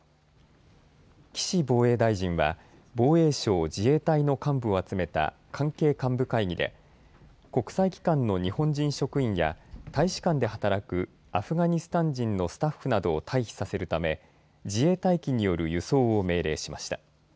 岸防衛大臣は防衛省・自衛隊の幹部を集めた関係幹部会議で国際機関の日本人職員や大使館で働くアフガニスタン人のスタッフなどを退避させるため自衛隊機による輸送を命令しました。